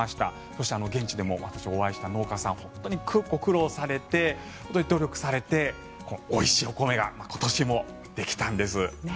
そして、現地でも私がお会いした農家さん本当にご苦労されて努力されておいしいお米が今年もできたんです。